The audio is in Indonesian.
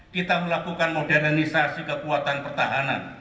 kita melakukan modernisasi kekuatan pertahanan